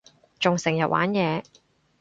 仲成日玩嘢